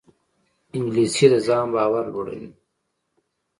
انګلیسي د ځان باور لوړوي